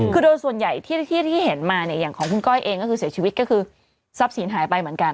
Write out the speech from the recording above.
คือโดยส่วนใหญ่ที่เห็นมาเนี่ยอย่างของคุณก้อยเองก็คือเสียชีวิตก็คือทรัพย์สินหายไปเหมือนกัน